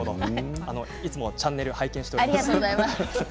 いつもチャンネルを拝見しております。